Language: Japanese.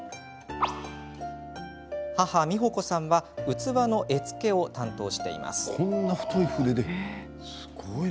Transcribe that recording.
母、美穂子さんは器の絵付けを担当しています。